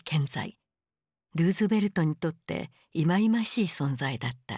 ルーズベルトにとっていまいましい存在だった。